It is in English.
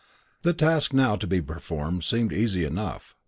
The task now to be performed seemed easy enough.